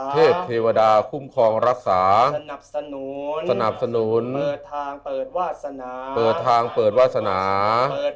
เทพเทวดาคุ้มครองรักษาสนับสนุนเปิดทางเปิดวาสนา